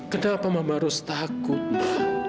kenapa mama harus takut ma